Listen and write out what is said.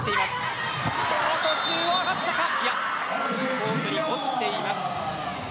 コートに落ちています。